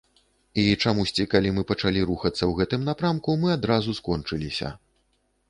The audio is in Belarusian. І чамусьці, калі мы пачалі рухацца ў гэтым напрамку, мы адразу скончыліся.